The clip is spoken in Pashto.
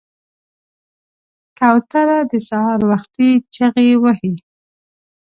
کوتره د سهار وختي چغې وهي.